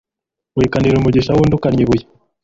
wikanira umugisha w'undi ukannya ibuye